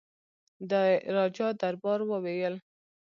د راجا دربار وویل.